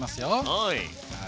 はい。